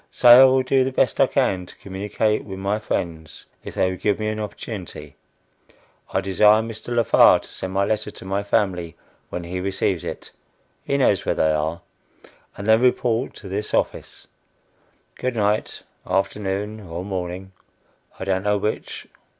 Say I will do the best I can to communicate with my friends, if they will give me an opportunity. I desire Mr. Lefar to send my letter to my family when he receives it he knows where they are and then report to this office. "Good night, afternoon or morning, I don't know which.